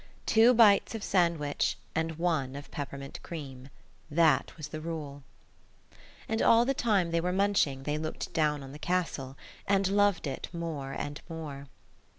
Two bites of sandwich and one of peppermint cream; that was the rule. And all the time they were munching they looked down on the castle, and loved it more and more.